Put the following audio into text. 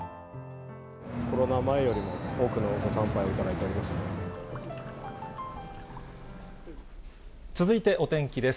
コロナ前よりも多くのご参拝続いてお天気です。